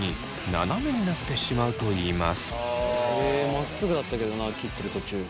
まっすぐだったけどな切ってる途中。